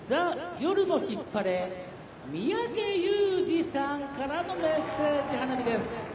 夜もヒッパレ、三宅裕司さんからのメッセージ花火です。